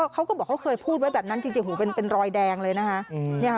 เขาก็บอกเขาเคยพูดไว้แบบนั้นจริงเป็นรอยแดงเลยนะคะ